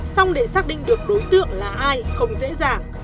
xong để xác định được đối tượng là ai không dễ dàng